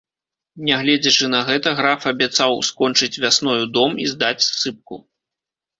Нягледзячы на гэта, граф абяцаў скончыць вясною дом і здаць ссыпку.